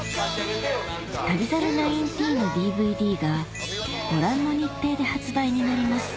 『旅猿１９』のＤＶＤがご覧の日程で発売になります